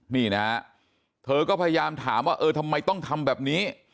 นี่นะฮะเธอก็พยายามถามว่าเออทำไมต้องทำแบบนี้